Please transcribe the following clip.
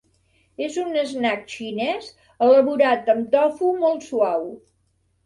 És un snack xinès elaborat amb tofu molt suau.